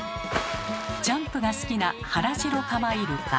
ジャンプが好きなハラジロカマイルカ。